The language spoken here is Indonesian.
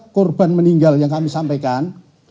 korban meninggal yang kami sampaikan